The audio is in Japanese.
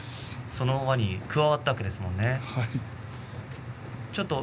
その輪に加わったわけですからね。